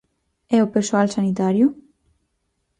E o persoal sanitario?